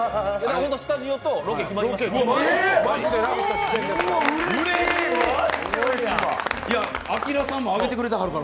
本当にスタジオとロケ決まりましたから。